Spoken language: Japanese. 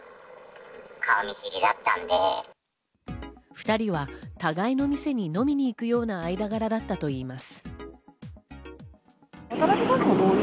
２人は互いの店に飲みに行くような間柄だったといいます。